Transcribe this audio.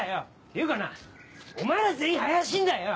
ていうかなお前ら全員怪しいんだよ！